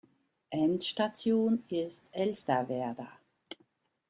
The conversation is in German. Endstation ist Elsterwerda.